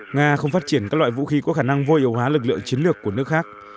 nga không phát triển các loại vũ khí có khả năng vô hóa lực lượng chiến lược của nước khác